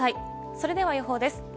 それでは予報です。